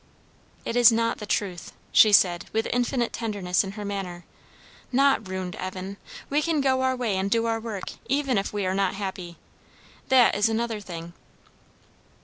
"It is not the truth," she said with infinite tenderness in her manner. "Not ruined, Evan. We can go our way and do our work, even if we are not happy. That is another thing."